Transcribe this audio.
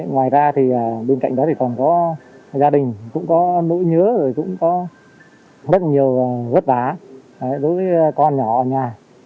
ngoài ra bên cạnh đó còn có gia đình cũng có nỗi nhớ cũng có rất nhiều vất vả đối với con nhỏ ở nhà